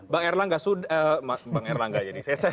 pak erlangga jadi